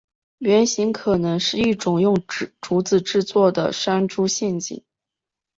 原型可能是一种用竹子制作的山猪陷阱。